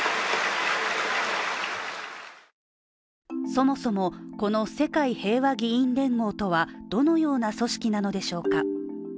そもそも、この世界平和議員連合とはどのような組織なのでしょうか。